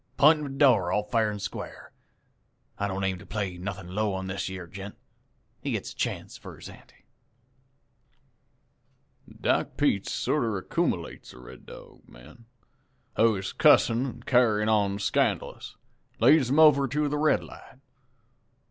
P'int him to the door all fair an' squar'. I don't aim to play nothin' low on this yere gent. He gets a chance for his ante.' "Doc Peets sorter accoomilates the Red Dog man, who is cussin' an' carryin' on scandalous, an' leads him over to the Red Light.